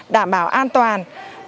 đảm bảo an toàn